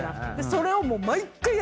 それを。